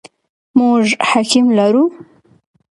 موږ حکیم لرو ؟